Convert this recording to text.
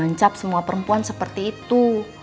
kamu juga masih mau bertemu sama perempuan seperti itu